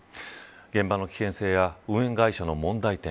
現場の危険性や運営会社の問題点